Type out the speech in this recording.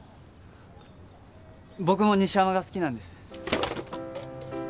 僕も西山が好きなんです。